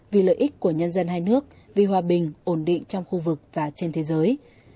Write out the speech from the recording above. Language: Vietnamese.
vì lợi ích của nhân dân hai nước vì hòa bình ổn định trong khu vực và trên thế giới